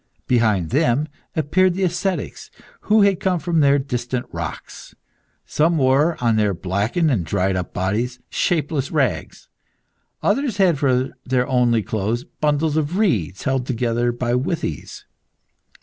Behind them appeared the ascetics, who had come from their distant rocks. Some wore, on their blackened and dried up bodies, shapeless rags; others had for their only clothes, bundles of reeds held together by withies.